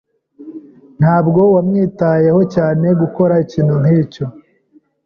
Ntabwo yamwitayeho cyane gukora ikintu nkicyo.